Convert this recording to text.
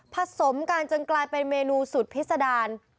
สมกันจนกลายเป็นเมนูสุดพิษดาร